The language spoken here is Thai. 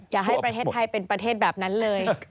อย่าให้ประเทศไทยเป็นประเทศแบบนั้นเลย